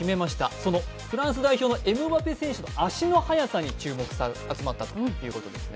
そのフランス代表のエムバペの足の早さに注目が集まったということですね。